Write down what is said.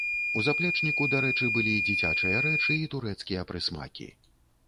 У заплечніку, дарэчы, былі дзіцячыя рэчы і турэцкія прысмакі.